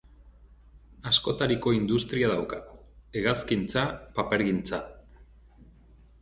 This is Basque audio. Askotariko industria dauka: hegazkingintza, papergintza.